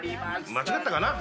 間違ったかな？